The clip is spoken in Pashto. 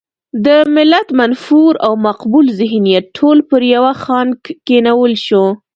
د ملت منفور او مقبول ذهنیت ټول پر يوه خانک کېنول شو.